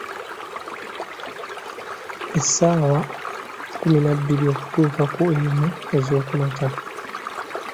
Essaawa kkumi na bbiri okutuuka ku emu ez’oku makya.